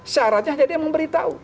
syaratnya hanya dia memberitahu